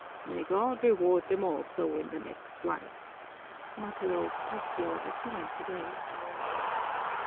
"May God reward them also in the next life," muttered old Tasio as he went away.